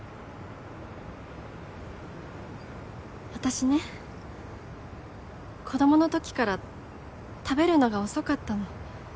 私ね子供のときから食べるのが遅かったの。